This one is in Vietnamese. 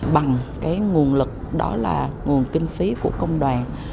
bằng cái nguồn lực đó là nguồn kinh phí của công đoàn